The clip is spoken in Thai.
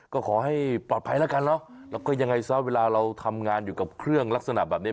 ก็ขอให้ปลอดภัยแล้วกันเนอะแล้วก็ยังไงซะเวลาเราทำงานอยู่กับเครื่องลักษณะแบบนี้